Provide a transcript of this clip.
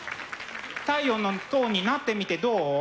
「太陽の塔」になってみてどう？